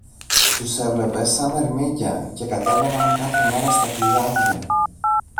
Τους έβλεπες σα μερμήγκια και κατέβαιναν κάθε μέρα στα πηγάδια